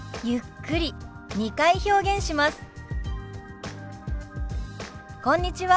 ゆっくり２回表現します。